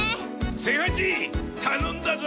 清八たのんだぞ！